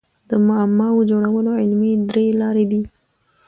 د معماوو جوړولو علمي درې لاري دي.